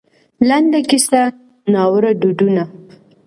لـنـډه کيـسـه :نـاوړه دودونـه